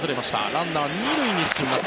ランナー、２塁に進みます。